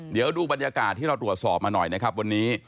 เดี๋ยวดูบรรยากาศที่เราตรวจสอบมาหน่อยนะครับวันนี้